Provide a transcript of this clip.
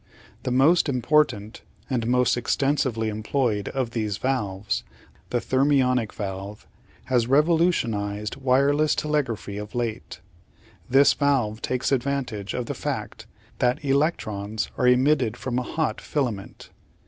The most important and most extensively employed of these valves, the thermionic valve, has revolutionised wireless telegraphy of late; this valve takes advantage of the fact that electrons are emitted from a hot filament.